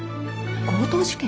強盗事件？